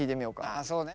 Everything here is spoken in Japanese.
ああそうね。